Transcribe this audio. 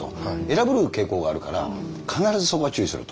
「偉ぶる傾向があるから必ずそこは注意しろ」と。